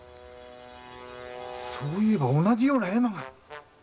そういえば同じような絵馬が。